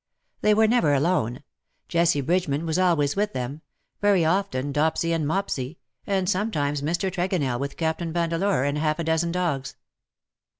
They were never alone — Jessie Bridgeman was always with them — very often Dopsy and Mopsy — and sometimes Mr. Tregonell with Captain Vandeleur and half a dozen dogs.